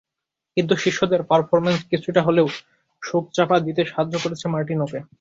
কিন্তু শিষ্যদের পারফরম্যান্স কিছুটা হলেও শোক চাপা দিতে সাহায্য করেছে মার্টিনোকে।